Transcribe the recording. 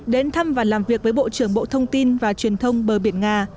đến thăm và làm việc với bộ trưởng bộ thông tin và truyền thông bờ biển nga